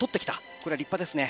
これは立派ですね。